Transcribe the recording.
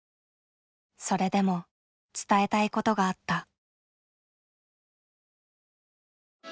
それでも伝えたいことがあった。